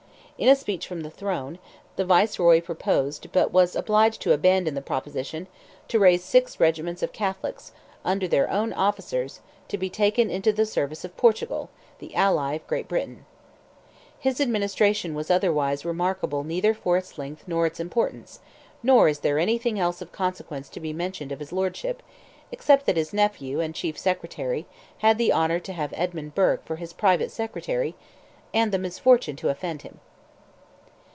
In a speech from the throne, the Viceroy proposed, but was obliged to abandon the proposition, to raise six regiments of Catholics, under their own officers, to be taken into the service of Portugal, the ally of Great Britain. His administration was otherwise remarkable neither for its length nor its importance; nor is there anything else of consequence to be mentioned of his lordship, except that his nephew, and chief secretary, had the honour to have Edmund Burke for his private secretary, and the misfortune to offend him.